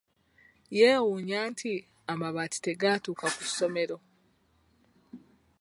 Yeewuunya nti amabaati tegaatuuka ku ssomero.